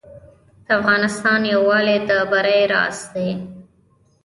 د افغانستان یووالی د بری راز دی